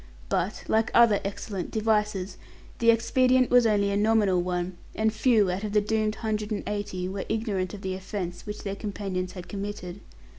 But, like other excellent devices, the expedient was only a nominal one, and few out of the doomed hundred and eighty were ignorant of the offence which their companions had committed.